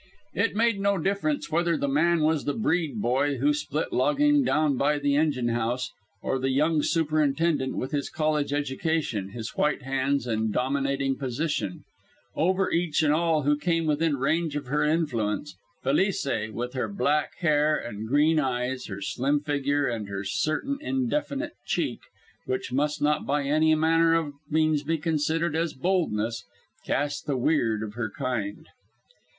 It made no difference whether the man was the "breed" boy who split logging down by the engine house or the young superintendent with his college education, his white hands and dominating position; over each and all who came within range of her influence Felice, with her black hair and green eyes, her slim figure and her certain indefinite "cheek" which must not by any manner of means be considered as "boldness" cast the weird of her kind.